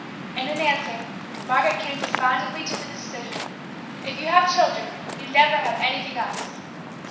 And in answer Margaret came despondently to the decision, "If you have children, you never have anything else!"